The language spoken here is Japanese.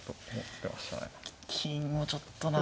金もちょっとなあ。